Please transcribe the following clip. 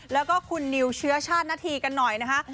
แล้วก็คุณนิวเชื้อชาตินาธีกันหน่อยนะคะ